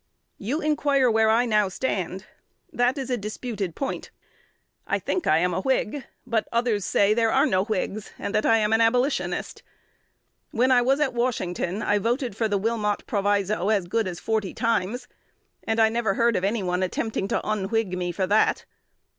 You inquire where I now stand. That is a disputed point. I think I am a Whig; but others say there are no Whigs, and that I am an Abolitionist. When I was at Washington, I voted for the Wilmot Proviso as good as forty times; and I never heard of any one attempting to un whig me for that.